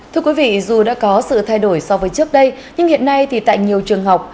thưa quý vị dù đã có sự thay đổi so với trước đây nhưng hiện nay thì tại nhiều trường học